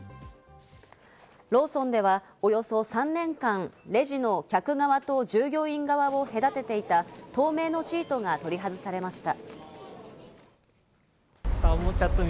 ローソンではおよそ３年間、レジの客側と従業員側を隔てていた透明のシートが取り外されました。